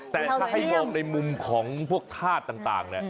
แต่ถ้าให้มองในมุมของพวกธาตุต่าง